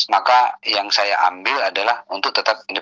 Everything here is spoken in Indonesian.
maka yang saya ambil adalah untuk tetap independen